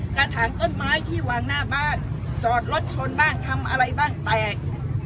กระถางต้นไม้ที่วางหน้าบ้านจอดรถชนบ้างทำอะไรบ้างแตก